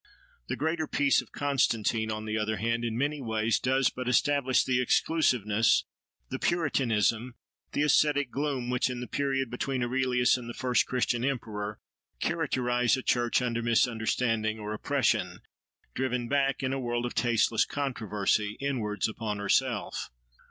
The greater "Peace" of Constantine, on the other hand, in many ways, does but establish the exclusiveness, the puritanism, the ascetic gloom which, in the period between Aurelius and the first Christian emperor, characterised a church under misunderstanding or oppression, driven back, in a world of tasteless controversy, inwards upon herself.